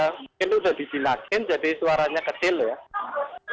mungkin udah di cilakin jadi suaranya kecil ya